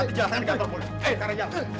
biar dia pak mir